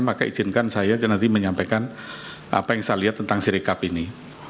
maka izinkan saya nanti menyampaikan apa yang saya lihat tentang sirikap ini